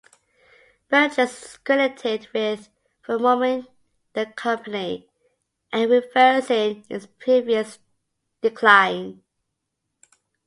Berges is credited with reforming the company and reversing its previous decline.